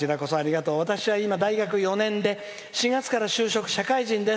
私は今、大学４年で４月から就職、社会人です。